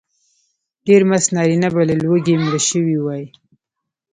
ډېر مست نارینه به له لوږې مړه شوي وای.